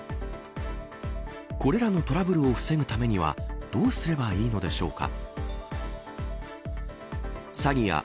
これらのトラブルを防ぐためにはどうすればいいのでしょうか。